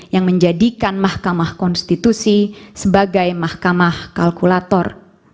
yang menjadikan mahkamah konstitusi sebagai mahkamah kalkulator